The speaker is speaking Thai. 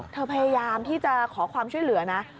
พยายามที่จะขอความช่วยเหลือนะ